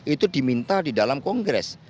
itu diminta di dalam kongres